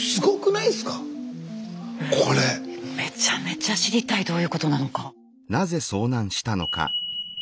めちゃめちゃ知りたいどういうことなのか。